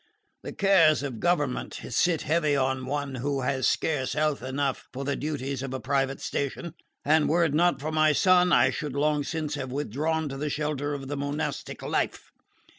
The cares of government sit heavy on one who has scarce health enough for the duties of a private station; and were it not for my son I should long since have withdrawn to the shelter of the monastic life."